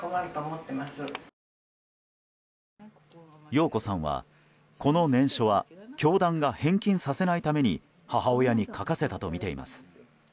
容子さんは、この念書は教団が返金させないために母親に書かせたとみています。